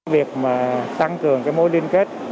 việc tăng cường mối liên kết